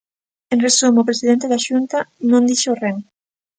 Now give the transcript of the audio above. En resumo: o presidente da Xunta non dixo ren.